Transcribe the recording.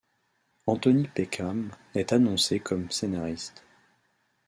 Anthony Peckham est annoncé comme scénariste.